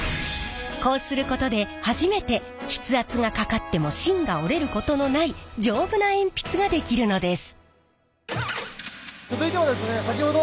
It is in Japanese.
こうすることで初めて筆圧がかかっても芯が折れることのない丈夫な鉛筆が出来るのです。